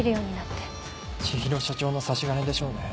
千尋社長の差し金でしょうね。